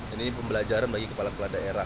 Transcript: ini pembelajaran bagi kepala kepala daerah